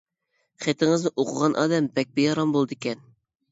خېتىڭىزنى ئوقۇغان ئادەم بەك بىئارام بولىدىكەن.